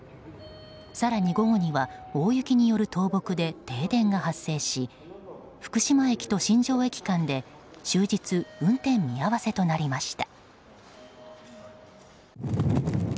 更に午後には大雪による倒木で停電が発生し福島駅と新庄駅間で終日運転見合わせとなりました。